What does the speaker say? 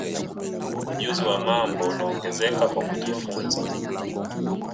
ujuzi wa mambo unaongezeka kwa kujifunza